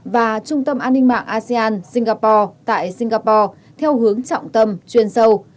và trung tâm an ninh mạng asean singapore tại singapore theo hướng trọng tâm chuyên sâu